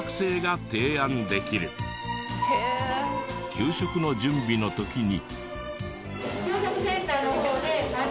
給食の準備の時に。